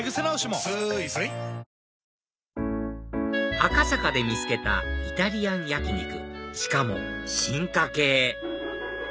赤坂で見つけたイタリアン焼き肉しかも進化系！